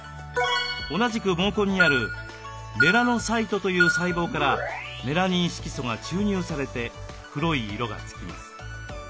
同じく毛根にあるメラノサイトという細胞からメラニン色素が注入されて黒い色がつきます。